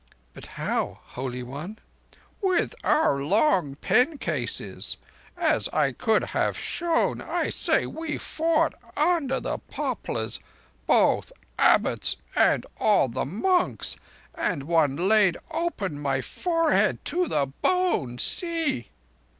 "But how, Holy One?" "With our long pencases as I could have shown ... I say, we fought under the poplars, both Abbots and all the monks, and one laid open my forehead to the bone. See!"